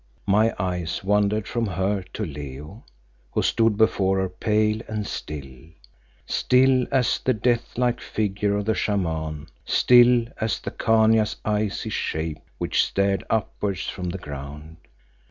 My eyes wandered from her to Leo, who stood before her pale and still, still as the death like figure of the Shaman, still as the Khania's icy shape which stared upwards from the ground.